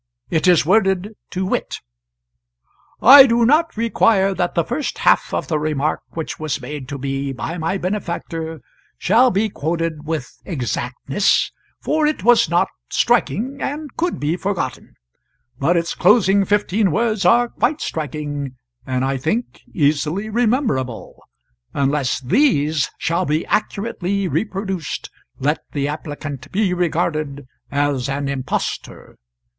It is worded to wit: "'I do not require that the first half of the remark which was made to me by my benefactor shall be quoted with exactness, for it was not striking, and could be forgotten; but its closing fifteen words are quite striking, and I think easily rememberable; unless these shall be accurately reproduced, let the applicant be regarded as an impostor.